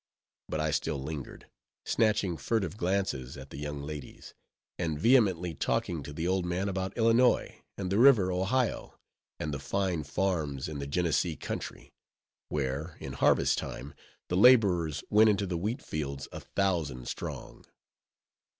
But I still lingered, snatching furtive glances at the young ladies, and vehemently talking to the old man about Illinois, and the river Ohio, and the fine farms in the Genesee country, where, in harvest time, the laborers went into the wheat fields a thousand strong.